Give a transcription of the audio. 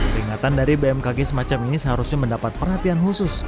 peringatan dari bmkg semacam ini seharusnya mendapat perhatian khusus